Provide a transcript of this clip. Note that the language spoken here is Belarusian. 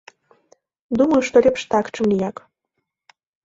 Думаю, што лепш так, чым ніяк.